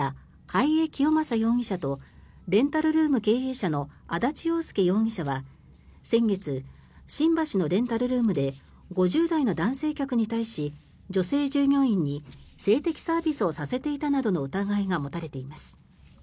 貝江清正容疑者とレンタルルーム経営者の安達洋介容疑者は先月、新橋のレンタルルームで５０代の男性客に対し女性従業員に性的サービスをさせていたなどの疑いが持たれています。